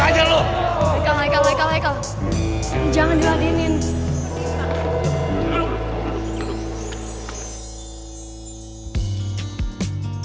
ayo jangan berang ajar lo